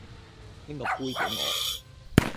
拎個杯畀我